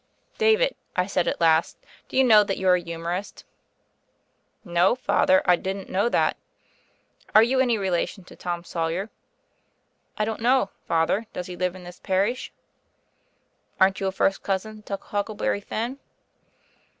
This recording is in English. "David," I said at last, "do you know that you're a humorist?" "No, Father: I didn't know that." "Are you any relation to Tom Sawyer?'* "I don't know. Father: does he live in this parish?" THE FAIRY OF THE SNOWS 137 "Aren't you a first cousin to Huckleberry Finn?''